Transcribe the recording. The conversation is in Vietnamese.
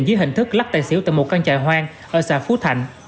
dưới hình thức lắc tài xỉu tại một căn trà hoang ở xã phú thạnh